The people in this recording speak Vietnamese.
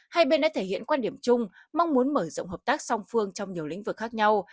hai bên đã thể hiện quan điểm chung mong muốn mở rộng hợp tác song phương trong nhiều lĩnh vực khác nhau